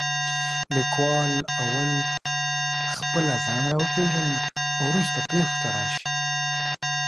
لیکوال اول خپله ځان را وپېژنې او وروسته پېښو ته راشي.